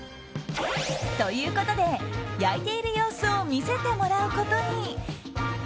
ということで、焼いている様子を見せてもらうことに。